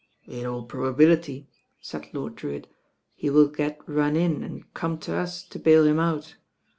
"In all probability," said Lord Drewitt, "he will get run in and come to us to bail him out.